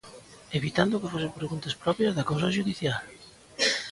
Evitando que fosen preguntas propias da causa xudicial.